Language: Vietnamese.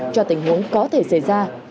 cho tình huống có thể xảy ra